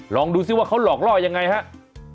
ลองดูซิเขาหลอกลรอกยังไงบ้าง